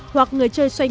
hoặc người chơi xoay người